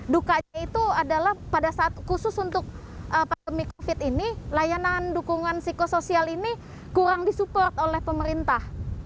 dukanya itu adalah pada saat khusus untuk pandemi covid ini layanan dukungan psikosoial ini kurang disupport oleh pemerintah